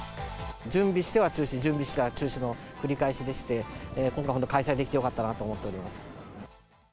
準備しては中止、準備しては中止の繰り返しでして、今回、本当に開催できてよかったなと思っております。